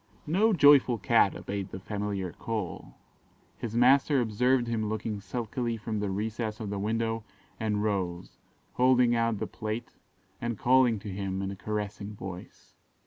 No joyful Cat obeyed the familiar call: his master observed him looking sulkily from the recess of the window, and rose, holding out the plate, and calling to him in a caressing voice.